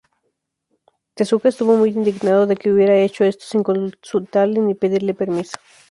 Tezuka estuvo muy indignado de que hubieran hecho esto sin consultarle ni pedirle permiso.